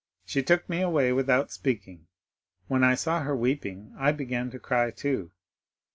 She took me away without speaking. When I saw her weeping I began to cry too.